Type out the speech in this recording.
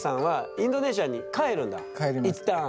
一旦。